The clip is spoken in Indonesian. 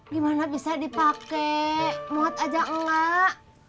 gimana bisa dipake muat aja enggak